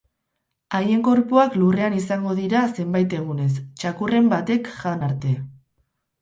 Haien gorpuak lurrean izango dira zenbait egunez, txakurren batek jan arte.